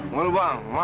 mau lu bang